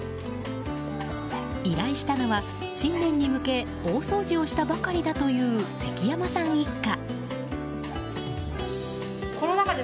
依頼したのは新年に向け大掃除したばかりだという関山さん一家。